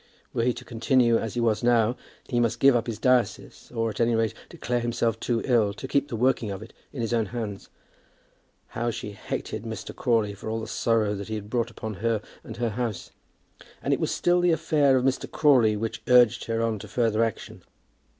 Were he to continue as he was now, he must give up his diocese, or, at any rate, declare himself too ill to keep the working of it in his own hands. How she hated Mr. Crawley for all the sorrow that he had brought upon her and her house! And it was still the affair of Mr. Crawley which urged her on to further action.